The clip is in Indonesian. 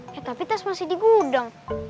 ya tapi tes masih di gudang